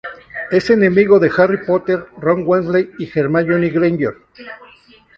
Es enemigo de Harry Potter, Ron Weasley y Hermione Granger.